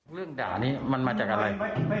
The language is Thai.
เรื่องด่านี้มันมาจากอะไร